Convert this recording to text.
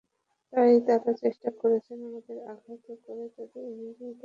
তাই তারা চেষ্টা করছে আমাদের আঘাত করে তাদের অনুগত করে রাখতে।